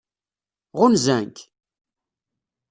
Ɣunzan-k?